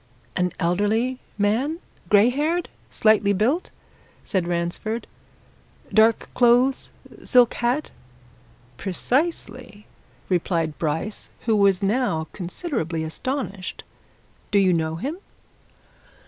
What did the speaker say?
"An elderly man grey haired slightly built?" said Ransford. "Dark clothes silk hat?" "Precisely," replied Bryce, who was now considerably astonished. "Do you know him?"